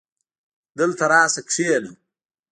دلته راسه کينه